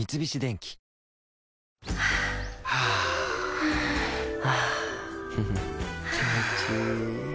気持ちいい。